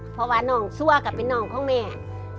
เพราะว่าน้องซั่วกับเป็นน้องของแม่